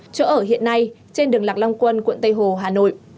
chỗ ở hiện nay trên đường lạc long quân quận tây hồ hà nội